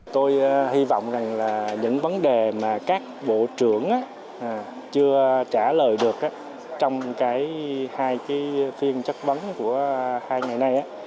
tôi hy vọng rằng là những vấn đề mà các bộ trưởng chưa trả lời được trong cái hai phiên chất vấn của hai ngày nay